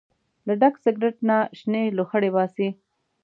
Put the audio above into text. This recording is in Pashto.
له ډک سګرټ نه شنې لوخړې باسي.